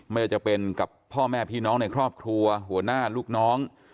ไม่ว่าจะเป็นกับพ่อแม่พี่น้องในครอบครัวหัวหน้าลูกน้อง